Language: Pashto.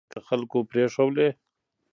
که خلکو پرېښودې